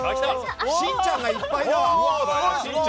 しんちゃんがいっぱいだ。